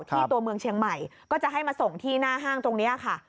ตัวเมืองเชียงใหม่ก็จะให้มาส่งที่หน้าห้างตรงนี้ค่ะ